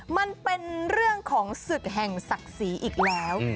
มันเป็นเรื่องของศึกแห่งศักดิ์ศรีอีกแล้ว